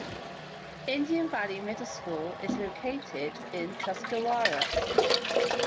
Indian Valley Middle School is located in Tuscarawas.